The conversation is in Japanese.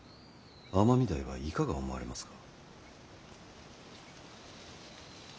尼御台はいかが思われますか。